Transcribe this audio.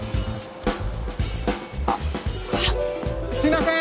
あっすみません！